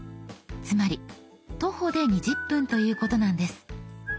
つまり徒歩で２０分ということなんです。